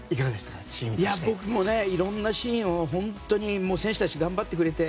僕もいろんなシーンを本当に選手たちが頑張ってくれて。